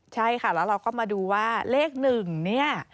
ใช่ค่ะแล้วเราก็มาดูว่าเลข๑เนี่ย